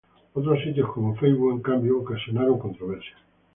Otros sitios como Facebook, en cambio, ocasionaron controversias.